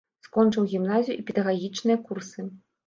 Скончыў гімназію і педагагічныя курсы.